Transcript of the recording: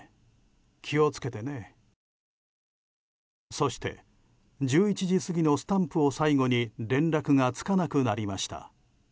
そして１１時過ぎのスタンプを最後に連絡がつかなくなりました。